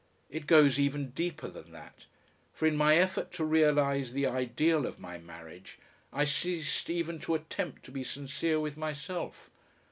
It goes even deeper than that, for in my effort to realise the ideal of my marriage I ceased even to attempt to be sincere with myself.